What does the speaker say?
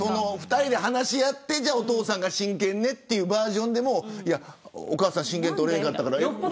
２人で話し合ってお父さんが親権ねというバージョンでもお母さんが取れなかったって。